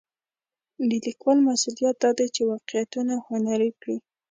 د لیکوال مسوولیت دا دی چې واقعیتونه هنري کړي.